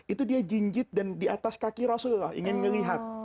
itu dia jinjit dan di atas kaki rasulullah ingin melihat